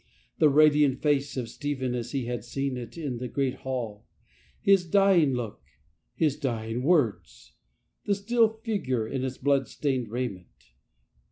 The radiant face of Stephen as he had seen it in , the great hall, his dying look, his dying words, the still figure in its blood stained raiment.